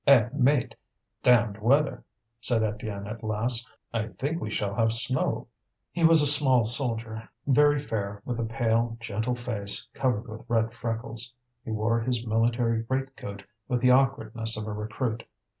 "Eh! mate! damned weather," said Étienne, at last. "I think we shall have snow." He was a small soldier, very fair, with a pale, gentle face covered with red freckles. He wore his military great coat with the awkwardness of a recruit.